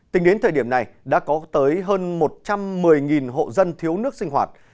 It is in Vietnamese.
tính đến thời điểm này đã có tới hơn một trăm một mươi hộ dân thiếu nước sinh hoạt